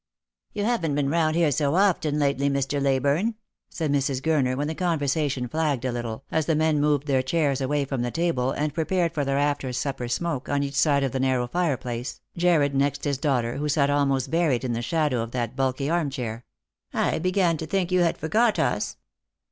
" You haven't been round here so often lately, Mr. Leyburne," said Mrs. Gurner when the conversation flagged a little, as the men moved their chairs away from the table, and prepared for their after supper smoke on each side of the narrow fireplace, Jarred next his daughter, who sat almost buried in the shadow of the bulky arm chair; " I began to think you had forgot us."